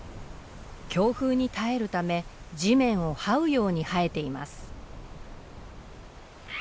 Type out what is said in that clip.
強風に耐えるため地面をはうように生えています。